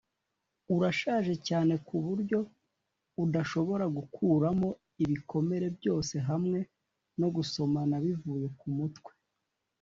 urashaje cyane kuburyo udashobora gukuramo ibikomere byose hamwe no gusomana bivuye kumutwe.